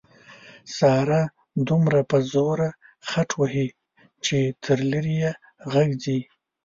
ساره دومره په زوره خټ وهي چې تر لرې یې غږ ځي.